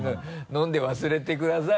飲んで忘れてください